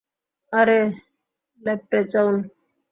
আরে, লেপ্রেচাউন!